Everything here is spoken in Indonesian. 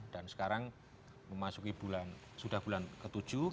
dan sekarang memasuki bulan sudah bulan ke tujuh